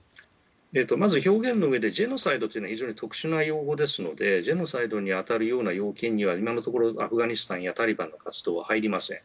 まず表現のうえでジェノサイドというのは非常に特殊な用語ですのでジェノサイドに当たるような要件には今のところアフガニスタンやタリバンの活動は入りません。